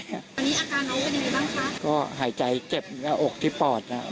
ตอนนี้อาการน้องเป็นยังไงบ้างคะก็หายใจเจ็บหน้าอกที่ปอดอ่ะ